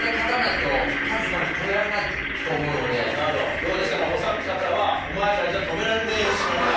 要はですからお三方は「お前らじゃ止められねえよ」って言われた。